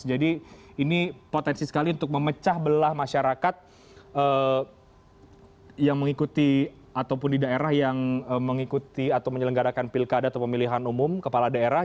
jadi ini potensi sekali untuk memecah belah masyarakat yang mengikuti ataupun di daerah yang mengikuti atau menyelenggarakan pilkada atau pemilihan umum kepala daerah